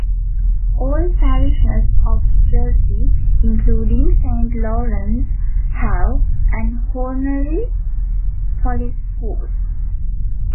All parishes of Jersey, including Saint Lawrence, have an Honorary Police force.